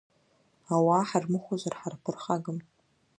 Ауаа ҳармыхәозар ҳарԥырхагам.